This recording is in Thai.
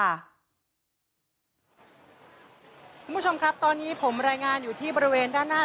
คุณผู้ชมครับตอนนี้ผมรายงานอยู่ที่บริเวณด้านหน้า